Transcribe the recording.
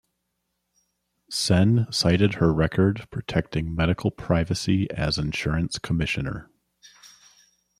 Senn cited her record protecting medical privacy as insurance commissioner.